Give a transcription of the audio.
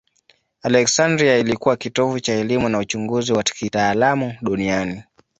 Aleksandria ilikuwa kitovu cha elimu na uchunguzi wa kitaalamu duniani.